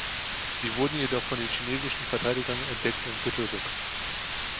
Sie wurden jedoch von den chinesischen Verteidigern entdeckt und getötet.